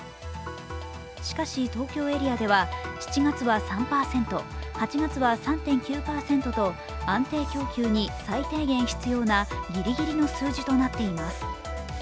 しかし、東京エリアでは７月は３％、８月は３．９％と、安定供給に最低限必要なギリギリの数字となっています。